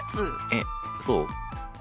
えっそう？